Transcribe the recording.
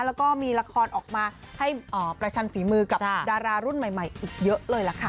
แล้วก็มีละครออกมาให้ประชันฝีมือกับดารารุ่นใหม่อีกเยอะเลยล่ะค่ะ